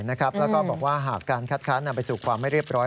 แล้วก็บอกว่าหากการคัดค้านนำไปสู่ความไม่เรียบร้อย